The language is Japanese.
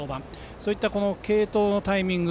そういった継投のタイミング